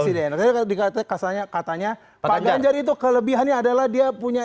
tiket presiden jadi dikatanya katanya pak ganjar itu kelebihannya adalah dia punya